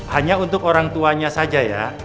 hanya untuk orang tuanya saja ya